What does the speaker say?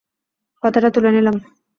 কথাটা তুলে নিলাম।